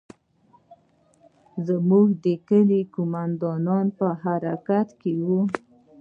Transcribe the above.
زموږ د کلي قومندان په حرکت کښې و.